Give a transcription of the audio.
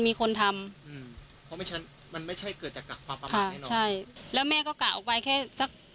มีคนทำมันไม่ใช่เกิดจากความใช่แล้วแม่ก็กลัวไปแค่สัก